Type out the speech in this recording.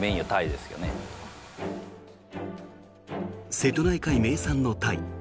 瀬戸内海名産のタイ。